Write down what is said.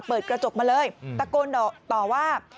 เปิดกระจกมาเลยตะโกนต่อว่า